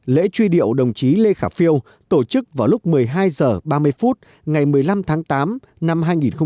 lễ truy điệu đồng chí lê khả phiêu tổ chức vào lúc một mươi hai h ba mươi phút ngày một mươi năm tháng tám năm hai nghìn một mươi chín